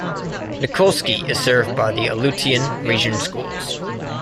Nikolski is served by the Aleutian Region Schools.